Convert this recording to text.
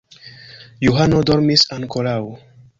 Johano dormis ankoraŭ.